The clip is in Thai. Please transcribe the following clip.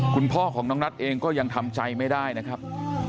คุณพ่อของน้องนัทเองก็ยังทำใจไม่ได้นะครับ